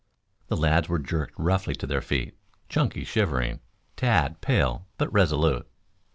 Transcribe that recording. The lads were jerked roughly to their feet, Chunky shivering, Tad pale but resolute.